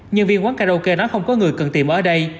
nhân viên quán karaoke nói không có người cần tiệm ở đây